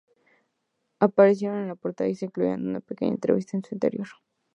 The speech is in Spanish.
Aparecieron en la portada y se incluía una pequeña entrevista en su interior.